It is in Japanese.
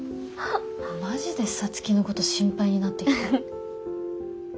マジで皐月のこと心配になってきた。